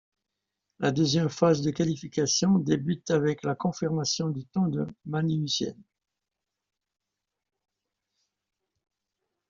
La deuxième phase de qualification débute avec la confirmation du temps de Magnussen.